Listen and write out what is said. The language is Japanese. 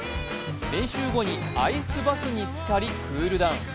練習後にアイスバスにつかりクールダウン。